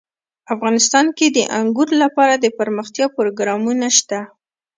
افغانستان کې د انګور لپاره دپرمختیا پروګرامونه شته.